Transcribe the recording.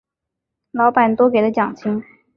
老板多给的奖金